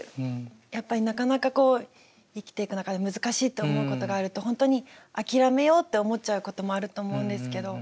やっぱりなかなかこう生きていく中で難しいって思うことがあると本当に諦めようって思っちゃうこともあると思うんですけど。